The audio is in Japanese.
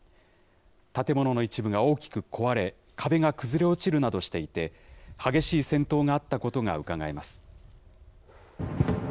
建物の一部が大きく壊れ、壁が崩れ落ちるなどしていて、激しい戦闘があったことがうかがえます。